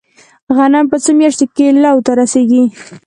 غنم په څو میاشتو کې لو ته رسیږي؟